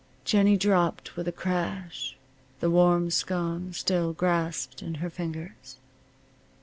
Jennie dropped with a crash, the warm scone still grasped in her fingers.